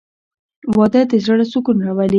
• واده د زړه سکون راولي.